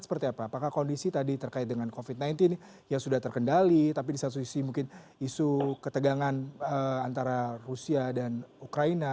seperti apa apakah kondisi tadi terkait dengan covid sembilan belas yang sudah terkendali tapi di satu sisi mungkin isu ketegangan antara rusia dan ukraina